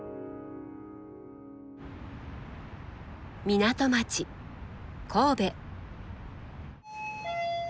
港町神戸。